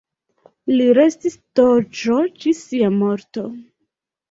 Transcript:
Li restis doĝo ĝis sia morto.